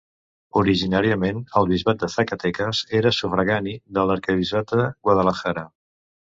Originàriament el bisbat de Zacatecas era sufragani de l'arquebisbat de Guadalajara.